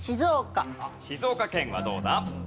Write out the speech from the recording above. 静岡県はどうだ？